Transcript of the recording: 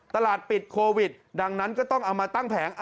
ตลาดปิดโควิดดังนั้นก็ต้องเอามาตั้งแผง